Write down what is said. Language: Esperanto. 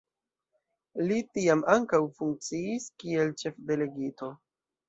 Li tiam ankaŭ funkciis kiel ĉefdelegito.